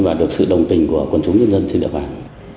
và được sự đồng tình của quân chúng nhân dân trên địa bàn